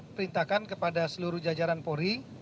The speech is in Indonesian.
perintahkan kepada seluruh jajaran polri